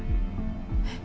えっ？